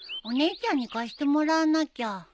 お姉ちゃんに貸してもらわなきゃ。